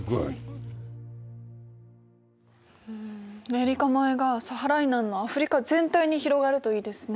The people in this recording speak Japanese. ネリカ米がサハラ以南のアフリカ全体に広がるといいですね。